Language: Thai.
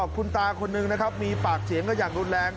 คุณตาคนนึงนะครับมีปากเสียงกันอย่างรุนแรง